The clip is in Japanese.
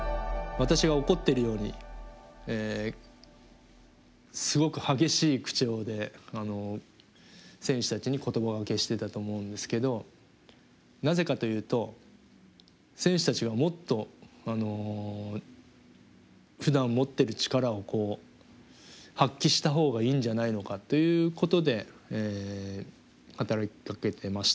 私が怒っているようにすごく激しい口調で選手たちに言葉がけしてたと思うんですけどなぜかというと選手たちがもっとふだん持ってる力を発揮したほうがいいんじゃないのかということで働きかけてました。